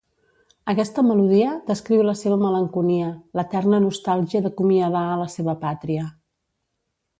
Aquesta melodia descriu la seva malenconia, l'eterna nostàlgia d'acomiadar a la seva pàtria.